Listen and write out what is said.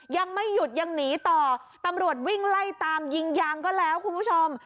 ยังไม่หยุดยังหนีต่อตำรวจวิ่งไล่ตามยิงยางก็แล้วคุณผู้ชม